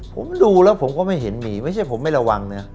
ผมดูแล้วผมก็ไม่เห็นมีไม่ใช่ผมไม่ระวังนะ